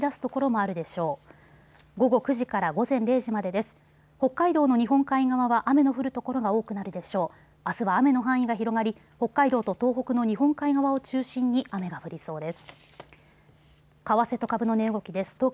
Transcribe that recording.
あすは雨の範囲が広がり北海道と東北の日本海側を中心に雨が降りそうです。